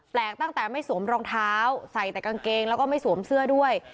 ตั้งแต่ไม่สวมรองเท้าใส่แต่กางเกงแล้วก็ไม่สวมเสื้อด้วย